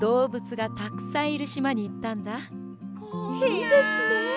いいですね。